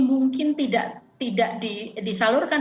mungkin tidak disalurkan